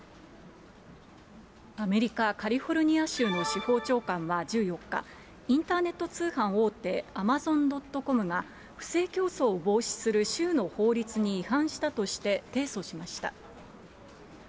アメリカ・カリフォルニア州の司法長官は１４日、インターネット通販大手、アマゾンドットコムが、不正競争を防止する州の法律に違反したとして、提訴しました。